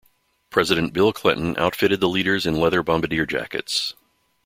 President Bill Clinton outfitted the leaders in leather bombardier jackets.